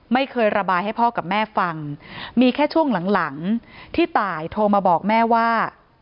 ไม่เคยระบายให้พ่อกับแม่ฟังมีแค่ช่วงหลังหลังที่ตายโทรมาบอกแม่ว่า